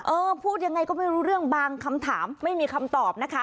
พูดยังไงก็ไม่รู้เรื่องบางคำถามไม่มีคำตอบนะคะ